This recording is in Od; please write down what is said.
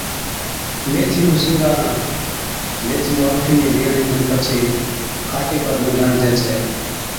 ميٿِي نُون سِينگارڻ، ميٿِي نُون الفِي ۾ بيڙڻي کن پڇي کاٽي پر نُونجھاڻجَي ڇَي